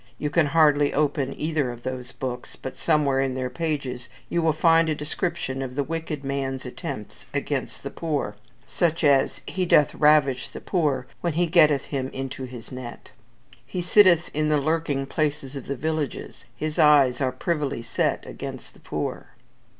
You can hardly open either of those books, but somewhere in their pages you will find a description of the wicked man's attempts against the poor: such as "He doth ravish the poor when he getteth him into his net." "He sitteth in the lurking places of the villages; his eyes are privily set against the poor."